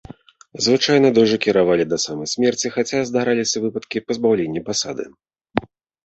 Звычайна дожы кіравалі да самай смерці, хаця здараліся выпадкі пазбаўлення пасады.